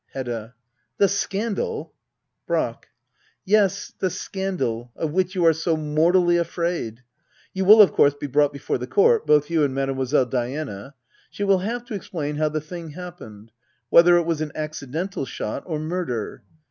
Hedda. The scandal ! Brack. Yes, the scandal — of which you are so mortally afraid. You will, of course, be brought before the court — both you and Mademoiselle Diana. She will have to explain how the thing happened — whether it was an accidental shot or murder.